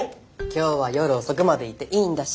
今日は夜遅くまでいていいんだし。